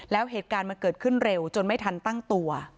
แล้วเหตุการณ์มันเกิดขึ้นเร็วจนไม่ทันตั้งตัว